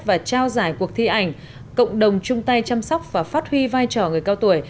và trao giải cuộc thi ảnh cộng đồng chung tay chăm sóc và phát huy vai trò người cao tuổi